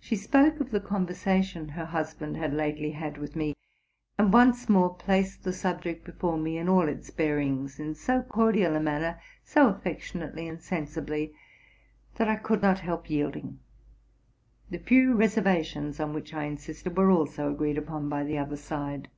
She spoke of the conversation her husband had lately had with me, and once more placed the subject before me, in all its bearings, in so cordial a manner, so affectionately and sensibly, that I could not help yielding : the few reservations on which I insisted were also agreed upon by the other side.